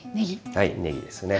はいねぎですね。